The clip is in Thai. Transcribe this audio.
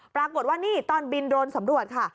ปรากฏว่านี่ตอนบินโดรนสำรวจค่ะ